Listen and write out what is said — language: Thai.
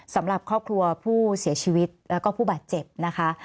สำหรับครอบครัวผู้เสียชีวิตแล้วก็ผู้บาดเจ็บนะคะ